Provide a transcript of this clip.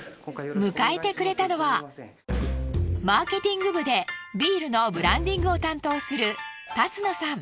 迎えてくれたのはマーケティング部でビールのブランディングを担当する立野さん。